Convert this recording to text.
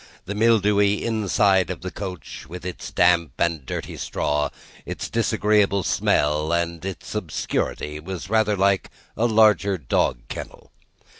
The mildewy inside of the coach, with its damp and dirty straw, its disagreeable smell, and its obscurity, was rather like a larger dog kennel.